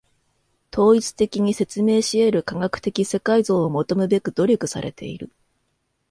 統一的に説明し得る科学的世界像を求むべく努力されている。